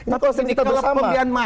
nah kalau kita bersama